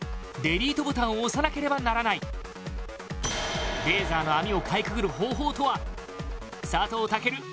デリートボタンを押さなければならないレーザーの網をかいくぐる方法とは佐藤健